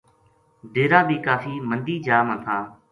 ڈیرا بھی کافی مندی جا ماتھا